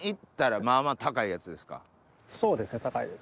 そうですね高いです。